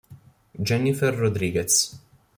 Jennifer Rodriguez